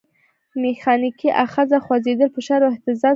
میخانیکي آخذه خوځېدل، فشار او اهتزاز محرک کوي.